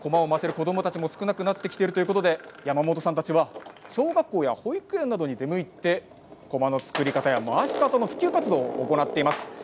子どもたちも少なくなってきているということで山本さんたちは小学校や保育園などに出向いてこまの作り方や回し方の普及活動を行っています。